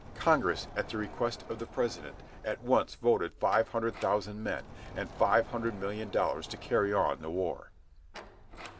Congress, at the request of the President, at once voted five hundred thousand men, and five hundred million dollars to carry on the war.